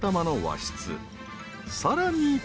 ［さらに］